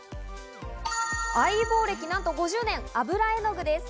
相棒歴なんと５０年、油絵の具です。